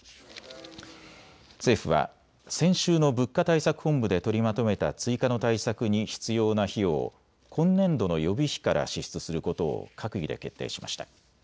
政府は先週の物価対策本部で取りまとめた追加の対策に必要な費用を今年度の予備費から支出することを閣議で決定しました。